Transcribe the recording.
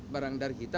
barang dari kita